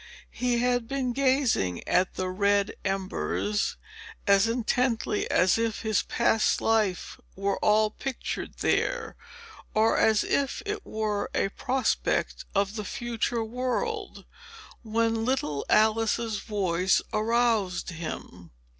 He had been gazing at the red embers, as intently as if his past life were all pictured there, or as if it were a prospect of the future world, when little Alice's voice aroused him.